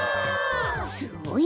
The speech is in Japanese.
すごいね。